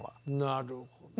なるほど。